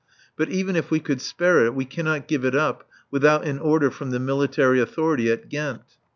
But even if we could spare it we cannot give it up without an order from the military authority at Ghent.